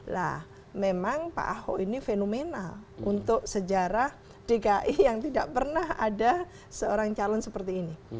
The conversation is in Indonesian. nah memang pak ahok ini fenomenal untuk sejarah dki yang tidak pernah ada seorang calon seperti ini